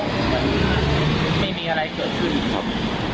มันไม่มีอะไรเกิดขึ้นครับ